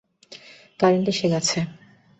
Current এসে গেছে!